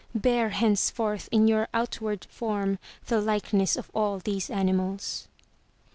Bear henceforth in your outward form the likeness of all these animals.